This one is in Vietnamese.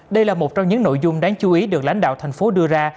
đây là một trong những nội dung đáng chú ý được lãnh đạo tp hcm đưa ra